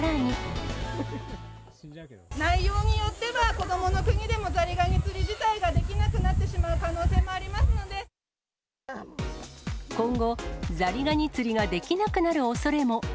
内容によっては、こどもの国でもザリガニ釣り事態ができなくなってしまう可能性も今後、ザリガニ釣りができなくなるおそれも。